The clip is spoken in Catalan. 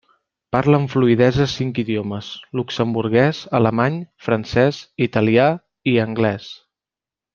Parla amb fluïdesa cinc idiomes: luxemburguès, alemany, francès, italià i anglès.